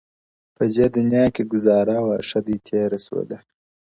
په دې دنيا کي ګوزاره وه ښه دى تېره سوله،